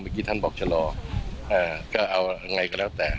เมื่อกี้ท่านบอกชะลออ่าก็เอาไงก็แล้วแต่